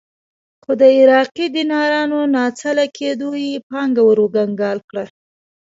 خو د عراقي دینارونو ناچله کېدو یې پانګه ورکنګال کړه.